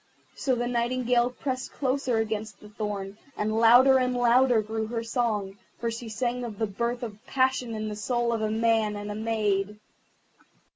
So the Nightingale pressed closer against the thorn, and louder and louder grew her song, for she sang of the birth of passion in the soul of a man and a maid.